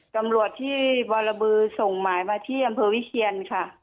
ตำรวจที่บรบือส่งหมายมาที่อำเภอวิเชียนค่ะ